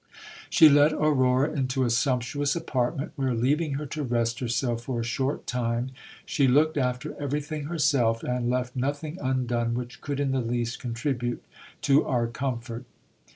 She led Aurora into a sumptuous apartment, where, leaving her to rest herself for a short time, she looked after eveiything herself, and left nothing undone which could in the least contribute to our comfort.